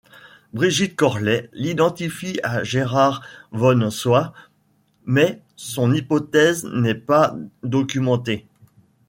Brigitte Corlay l'identifie à Gerhard von Soyst, mais son hypothèse n'est pas documentée.